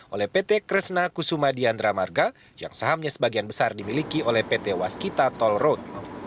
oleh pt kresna kusuma diandra marga yang sahamnya sebagian besar dimiliki oleh pt waskita toll road